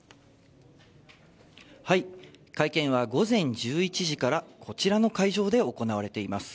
はい、会見は午前１１時からこちらの会場で行われています。